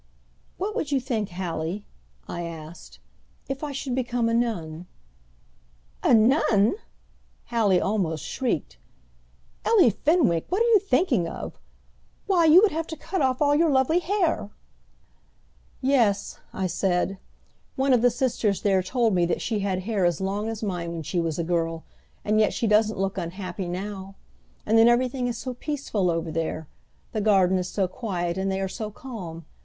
"What would you think, Hallie," I asked, "if I should become a nun?" "A nun!" Hallie almost shrieked. "Ellie Fenwick, what are you thinking of? Why, you would have to cut off all your lovely hair!" "Yes," I said, "one of the sisters there told me that she had hair as long as mine when she was a girl, and yet she doesn't look unhappy now. And then everything is so peaceful over there, the garden is so quiet, and they are so calm!